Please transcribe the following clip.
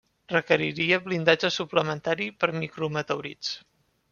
Requeriria blindatge suplementari per micro meteorits.